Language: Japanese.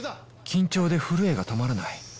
・緊張で震えが止まらない